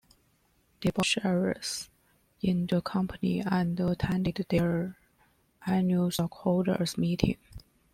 They bought shares in the company and attended their annual stockholder's meeting.